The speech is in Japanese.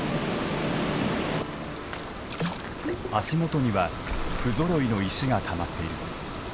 足元には不ぞろいの石がたまっている。